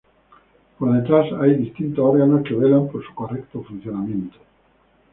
Por detrás hay distintos órganos que velan por su correcto funcionamiento.